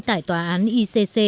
tại tòa án icc